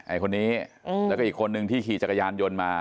ไอคนนี้แล้วก็อีกคนนึงที่ขี่จักรยานยนต์มา